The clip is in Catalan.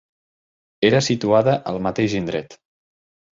Era situada al mateix indret.